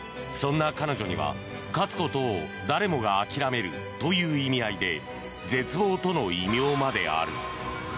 そんな彼女には、勝つことを誰もが諦めるという意味合いで絶望との異名まである。